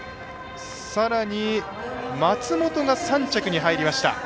さらに、松本が３着に入りました。